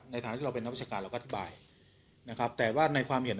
ในฐานะที่เราเป็นนักวิชาการเราก็อธิบายนะครับแต่ว่าในความเห็น